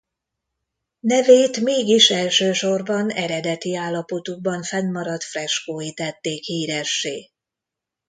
Nevét mégis elsősorban eredeti állapotukban fennmaradt freskói tették híressé.